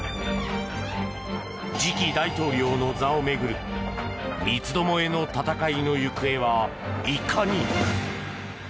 次期大統領の座を巡る三つ巴の戦いの行方はいかに。